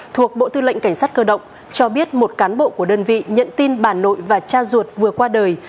thuộc bộ tư lệnh cảnh sát cơ động cho biết một cán bộ của đơn vị nhận tin bà nội và cha ruột vừa qua đời